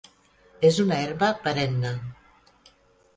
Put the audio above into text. És una herba perenne.